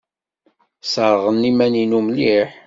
Sserɣeɣ iman-inu mliḥ.